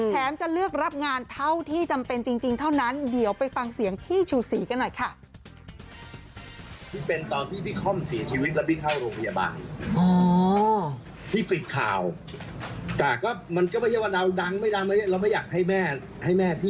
จะเลือกรับงานเท่าที่จำเป็นจริงเท่านั้นเดี๋ยวไปฟังเสียงพี่ชูศรีกันหน่อยค่ะ